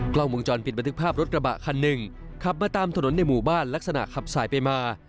กล้องวงจรปิดบันทึกภาพรถกระบะคันหนึ่งขับมาตามถนนในหมู่บ้านลักษณะขับสายไปมา